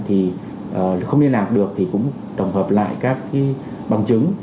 thì không liên lạc được thì cũng tổng hợp lại các bằng chứng